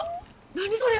何それ！